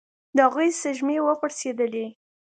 د هغې سږمې وپړسېدلې.